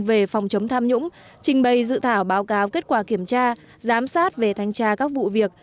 về phòng chống tham nhũng trình bày dự thảo báo cáo kết quả kiểm tra giám sát về thanh tra các vụ việc